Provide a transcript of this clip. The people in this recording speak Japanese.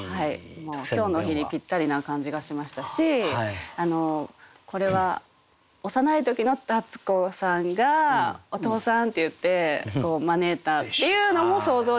もう今日の日にぴったりな感じがしましたしこれは幼い時の立子さんがお父さんって言って招いたっていうのも想像できます